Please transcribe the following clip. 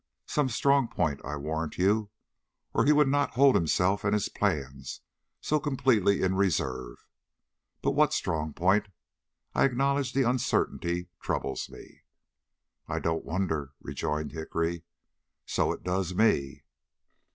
Some strong point, I warrant you, or he would not hold himself and his plans so completely in reserve. But what strong point? I acknowledge the uncertainty troubles me." "I don't wonder," rejoined Hickory. "So it does me."